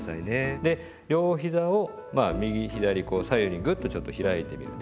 で両ひざを右左こう左右にグッとちょっと開いてみる。